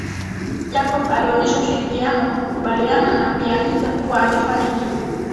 Jacob alionyesha ushirikiano kwa kukubaliana na Bi Anita kuwa angefanya hivyo